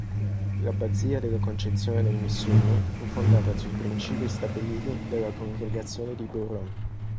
L'abbazia della Concezione nel Missouri fu fondata sui princìpi stabiliti dalla congregazione di Beuron.